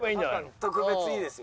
特別いいですよ。